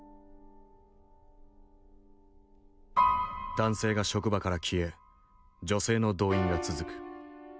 男性が職場から消え女性の動員が続く。